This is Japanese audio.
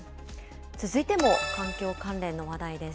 続いても環境関連の話題です。